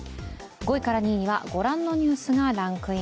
５位から２位にはご覧のニュースがランクイン。